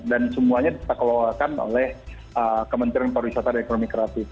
dan semuanya kita keluarkan oleh kementerian pariwisata dan ekonomi kreatif